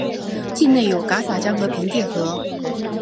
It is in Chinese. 境内有戛洒江和平甸河。